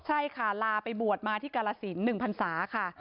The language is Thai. ใช่ค่ะลาไปบวชมาที่กาลสิน๑พันศาค่ะ